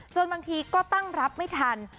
บางทีก็ตั้งรับไม่ทัน